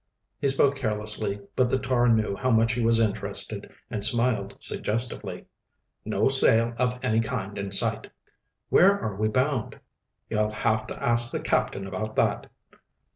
He spoke carelessly, but the tar knew how much he was interested and smiled suggestively. "No sail of any kind in sight." "Where are we bound?" "You'll have to ask the captain about that."